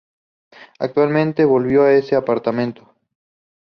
Actualmente volvió a ese apartamento.